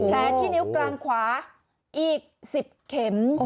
และที่นิ้วกลางขวาอีกสิบเข็ม